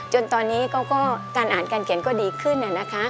จนตอนนี้การอ่านการเขียนก็ดีขึ้นนะคะ